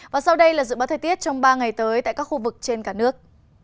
và sau đây là dự báo thời tiết trong ba ngày tới tại các khu vực trên cả nước